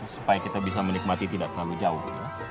supaya kita bisa menikmati tidak terlalu jauh